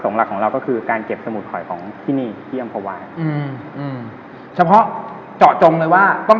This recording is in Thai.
จนวันหนึ่งผมก็ได้ทาบข่าวจากคนที่ช่วยเราหาของ